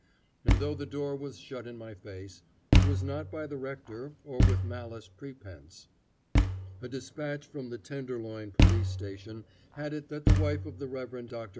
And though the door was shut in my face, it was not by the rector, or with malice prepense. A despatch from the Tenderloin police station had it that the wife of the Rev. Dr.